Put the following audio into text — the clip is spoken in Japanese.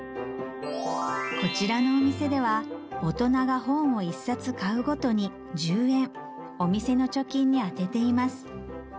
こちらのお店では大人が本を１冊買うごとに１０円お店の貯金に充てています